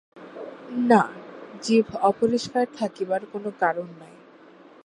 না, জিভ অপরিস্কার থাকিবার কোনো কারণ নাই।